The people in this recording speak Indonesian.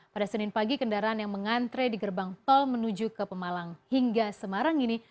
pada senin pagi kendaraan yang mengantre di gerbang tol menuju ke pemalang hingga semarang ini